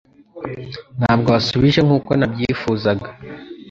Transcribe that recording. Ntabwo wasubije nkuko nabyifuzaga